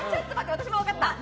私もわかった。